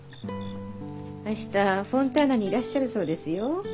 明日フォンターナにいらっしゃるそうですよ。